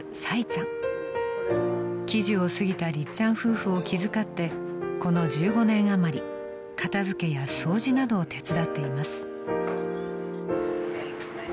［喜寿をすぎたりっちゃん夫婦を気遣ってこの１５年あまり片付けや掃除などを手伝っています］